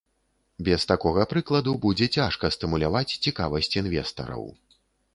Без такога прыкладу будзе цяжка стымуляваць цікавасць інвестараў.